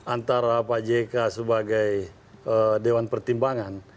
antara pak jk sebagai dewan pertimbangan